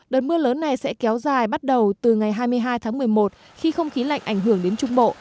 đợt mưa lớn này sẽ kéo dài bắt đầu từ ngày hai mươi hai tháng một mươi một khi không khí lạnh ảnh hưởng đến trung bộ